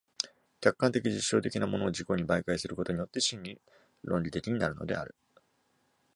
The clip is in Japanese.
客観的実証的なものを自己に媒介することによって真に論理的になるのである。